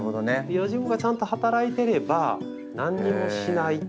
用心棒がちゃんと働いていれば何にもしない。